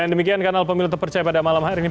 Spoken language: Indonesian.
dan demikian kanal pemilu terpercaya pada malam hari ini